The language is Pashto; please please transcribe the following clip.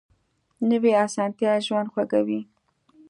نوې اسانتیا ژوند خوږوي